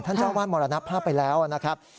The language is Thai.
ท่านเจ้าอาวาสมรณภาพไปแล้วนะครับ